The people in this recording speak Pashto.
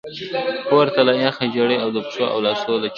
پرته له یخه ژیړي او د پښو او لاسو له چاودو.